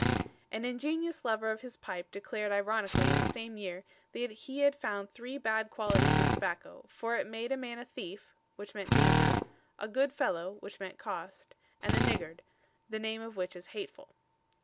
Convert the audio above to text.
_ An ingenious lover of his pipe declared ironically in the same year that he had found three bad qualities in tobacco, for it made a man a thief (which meant danger), a good fellow (which meant cost), and a niggard ("the name of which is hateful").